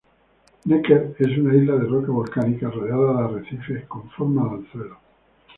Necker es una isla de roca volcánica rodeada de arrecifes, con forma de anzuelo.